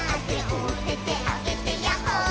「おててあげてヤッホー」